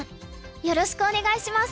よろしくお願いします！